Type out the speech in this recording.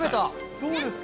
どうですか？